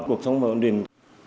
cuộc sống vô ổn định